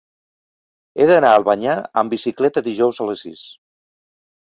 He d'anar a Albanyà amb bicicleta dijous a les sis.